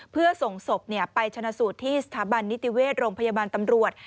เพื่อส่งศพไปชนะสูตรที่สถาบันนิติเวชโรงพยาบาลตำรวจ